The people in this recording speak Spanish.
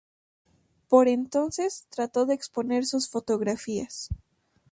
Por entonces, trató de exponer sus fotografías.